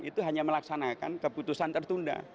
itu hanya melaksanakan keputusan tertunda